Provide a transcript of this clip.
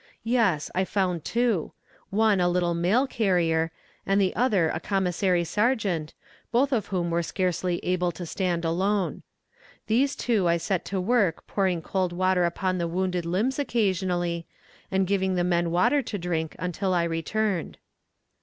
Yes, I found two; one a little mail carrier, and the other a commissary sergeant, both of whom were scarcely able to stand alone. These two I set to work pouring cold water upon the wounded limbs occasionally, and giving the men water to drink until I returned.